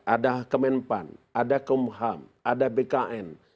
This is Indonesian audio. ada kemenpan ada kumham ada bkn